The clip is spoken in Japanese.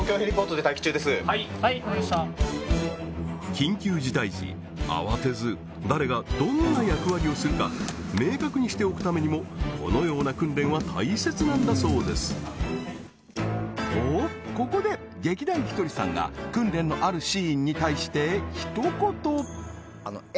緊急事態時慌てず誰がどんな役割をするか明確にしておくためにもこのような訓練は大切なんだそうですとここで劇団ひとりさんが訓練のあるシーンに対してひと言「え！？